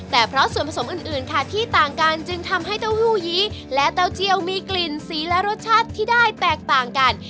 แต่เพราะส่วนผสมอื่นค่ะที่ต่างกันจึงทำให้เต้าหู้ยี้และเต้าเจียวมีกลิ่นสีและรสชาติที่ได้แตกต่างกัน